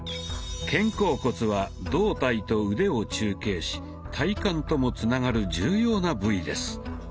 肩甲骨は胴体と腕を中継し体幹ともつながる重要な部位です。